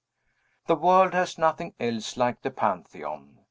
The world has nothing else like the Pantheon.